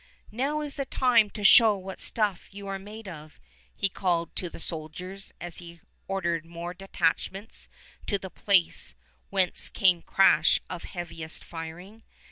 "Now is the time to show what stuff you are made of," he called to the soldiers, as he ordered more detachments to the place whence came crash of heaviest firing.